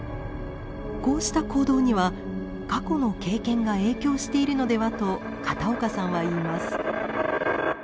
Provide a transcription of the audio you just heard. こうした行動には過去の経験が影響しているのではと片岡さんはいいます。